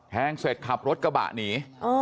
แทงเสร็จขับรถกระบะหนี